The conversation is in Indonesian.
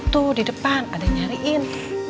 tuh di depan ada nyariin